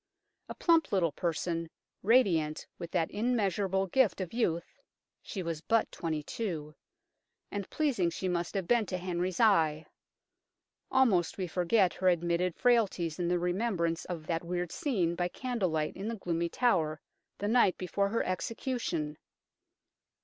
A plump little person, radiant with that immeasurable gift of youth (she was but twenty two), and pleasing she must have been to Henry's eye. Almost we forget her admitted frailties in the remembrance of that weird scene by candle light in the gloomy Tower, the night before her execution.